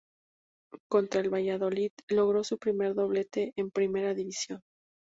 Contra el Valladolid logró su primer doblete en Primera División.